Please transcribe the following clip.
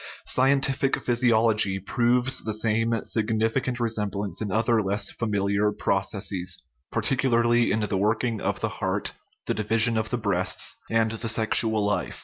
Scientific physiology proves the same significant r6 semblance in other less familiar processes, particularly in the working of the heart, the division of the breasts, and the sexual life.